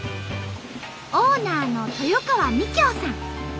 オーナーの豊川美京さん。